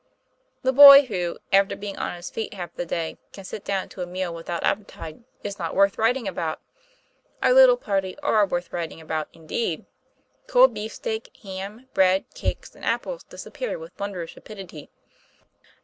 The boy who, after being on his feet half the day, can sit down to a meal without appetite is not worth writing about. Our little party are worth writing about, indeed! Cold beefsteak, ham, bread, cakes, and apples disappeared with wondrous rapidity.